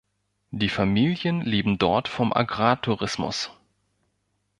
Die Familien leben dort vom Agrartourismus.